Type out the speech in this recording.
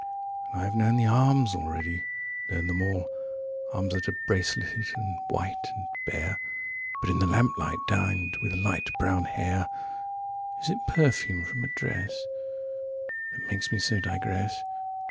62And I have known the arms already, known them all 63Arms that are braceleted and white and bare64(But in the lamplight, downed with light brown hair!)65Is it perfume from a dress66That makes me so digress?